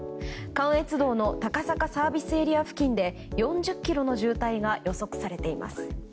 関越道の高坂ＳＡ付近で４０ｋｍの渋滞が予測されています。